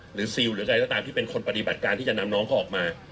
ซิลหรือใครก็ตามที่เป็นคนปฏิบัติการที่จะนำน้องเขาออกมา